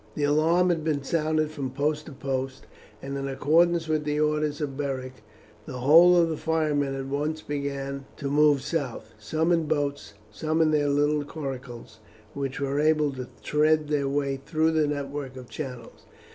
The alarm had been sounded from post to post, and in accordance with the orders of Beric the whole of the fighting men at once began to move south, some in boats, some in their little coracles, which were able to thread their way through the network of channels.